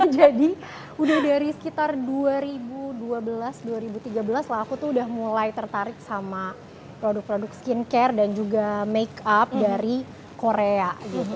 jadi udah dari sekitar dua ribu dua belas dua ribu tiga belas lah aku tuh udah mulai tertarik sama produk produk skincare dan juga makeup dari korea gitu